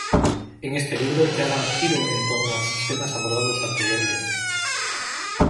En este libro ya da un giro en torno a sus temas abordados anteriormente.